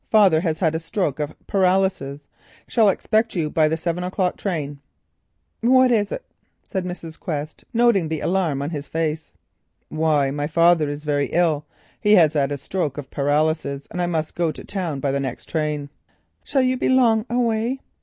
Father has had a stroke of paralysis. Shall expect you by the seven o'clock train." "What is it?" said Mrs. Quest, noting the alarm on his face. "Why, my father is very ill. He has had a stroke of paralysis, and I must go to town by the next train." "Shall you be long away?"